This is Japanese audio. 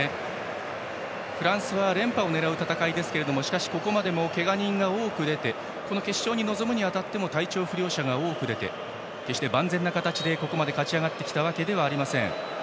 フランスは連覇を狙う戦いですがここまでけが人が多く出てこの決勝に臨むにあたっても体調不良者が多く出て決して万全な形で勝ち上がってきたわけではありません。